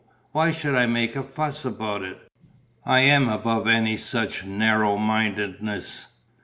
Why should I make a fuss about it? I am above any such narrow mindedness.